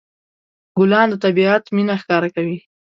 ګلان د طبيعت مینه ښکاره کوي.